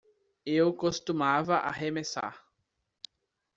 Eu costumava arremessar.